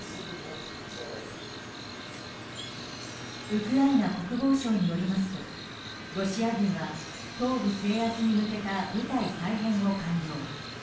ウクライナ国防省によりますとロシア軍は東部制圧に向けた部隊再編を完了。